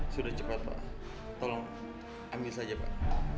sudah cepat pak tolong ambil saja pak